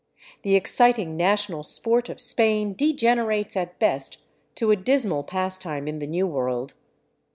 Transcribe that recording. The exciting national sport of Spain degenerates at best to a dismal pastime in the new world.